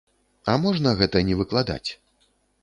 А можна гэта не выкладаць?